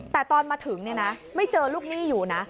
แต่ตอนมาถึงไม่เจอลูกหนี้อยู่นะ